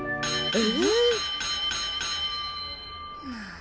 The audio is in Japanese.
え！？